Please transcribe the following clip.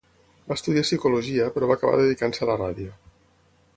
Va estudiar psicologia, però va acabar dedicant-se a la ràdio.